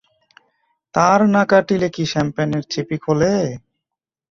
তার না কাটলে কি শ্যাম্পেনের ছিপি খোলে?